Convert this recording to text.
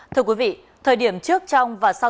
thưa quý vị thời điểm trước trong và sau